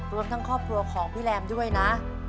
รวมทั้งครอบครัวของพี่แรมด้วยนะ